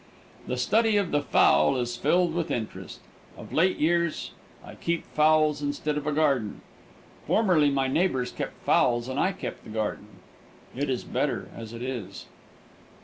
The study of the fowl is filled with interest. Of late years I keep fowls instead of a garden. Formerly my neighbors kept fowls and I kept the garden. It is better as it is.